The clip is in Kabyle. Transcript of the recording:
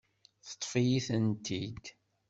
Teṭṭef-iyi-tent-id.